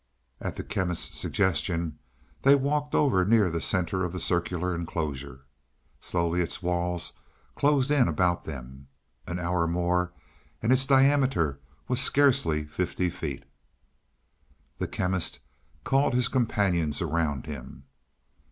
At the Chemist's suggestion they walked over near the center of the circular enclosure. Slowly its walls closed in about them. An hour more and its diameter was scarcely fifty feet. The Chemist called his companions around him.